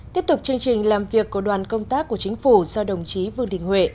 tiếp tục chương trình làm việc của đoàn công tác của chính phủ do đồng chí vương đình huệ